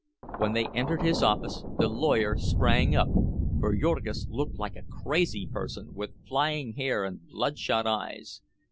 When they entered his office the lawyer sprang up, for Jurgis looked like a crazy person, with flying hair and bloodshot eyes.